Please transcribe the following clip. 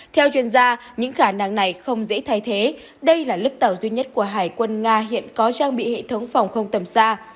theo chuyên gia những khả năng này không dễ thay thế đây là lớp tàu duy nhất của hải quân nga hiện có trang bị hệ thống phòng không tầm xa